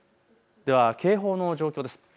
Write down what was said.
では警報の情報です。